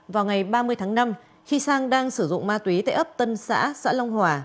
vào ngày ba mươi tháng năm khi sang đang sử dụng ma túy tại ấp tân xã xã long hòa